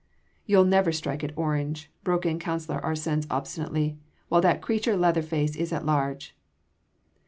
"You’ll never strike at Orange," broke in Councillor Arsens obstinately, "while that creature Leatherface is at large."